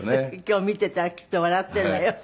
今日見ていたらきっと笑っているわよ。